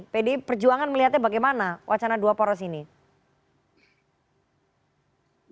pdi perjuangan melihatnya bagaimana wacana dua poros ini